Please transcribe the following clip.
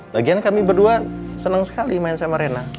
bagian kami berdua senang sekali main sama rena